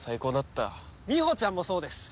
みほちゃんもそうです！